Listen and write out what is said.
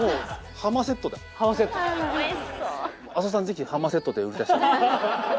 ぜひハマセットで売り出して。